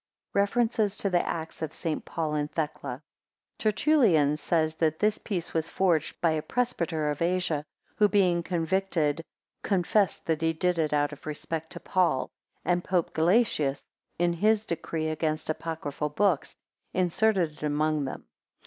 REFERENCES TO THE ACTS OF ST. PAUL AND THECLA. [Tertullian says that this piece was forged by a Presbyter of Asia, who being convicted, "confessed that he did it out of respect to Paul," and Pope Gelasius, in his Decree against apocryphal books, inserted it among them.